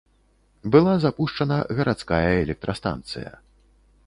Была запушчана гарадская электрастанцыя.